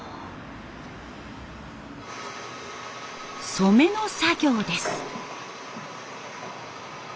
染めの作業です。